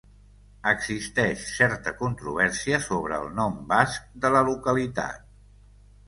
Existeix certa controvèrsia sobre el nom basc de la localitat.